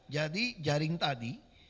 jadi jaring tadi